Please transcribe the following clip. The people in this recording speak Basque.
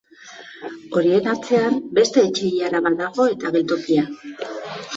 Horien atzean beste etxe-ilara bat dago eta geltokia.